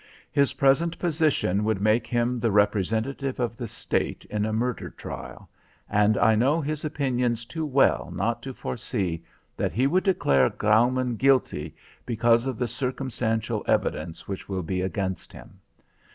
His present position would make him the representative of the state in a murder trial, and I know his opinions too well not to foresee that he would declare Graumann guilty because of the circumstantial evidence which will be against him.